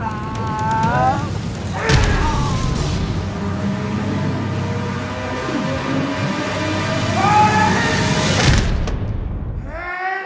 ้าาา่